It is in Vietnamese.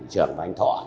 trưởng và anh thọ